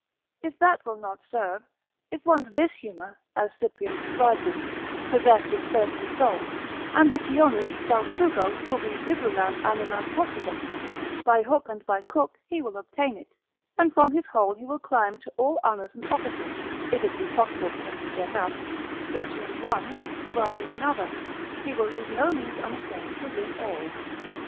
If that will not serve, if once this humour (as Cyprian describes it) possess his thirsty soul, ambitionis salsugo ubi bibulam animam possidet, by hook and by crook he will obtain it, and from his hole he will climb to all honours and offices, if it be possible for him to get up, flattering one, bribing another, he will leave no means unessay'd to win all.